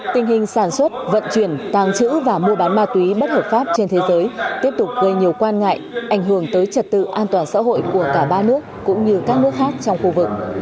tình hình sản xuất vận chuyển tàng trữ và mua bán ma túy bất hợp pháp trên thế giới tiếp tục gây nhiều quan ngại ảnh hưởng tới trật tự an toàn xã hội của cả ba nước cũng như các nước khác trong khu vực